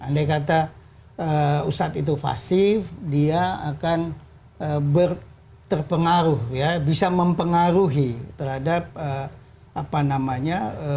andai kata ustadz itu pasif dia akan terpengaruh ya bisa mempengaruhi terhadap apa namanya